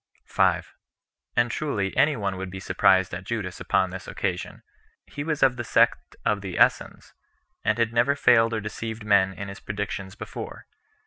5. And truly any one would be surprised at Judas upon this occasion. He was of the sect of the Essens, and had never failed or deceived men in his predictions before.